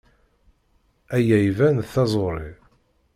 Aya iban d taẓuṛi.